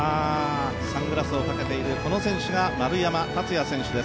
サングラスをかけているこの選手が丸山竜也選手です。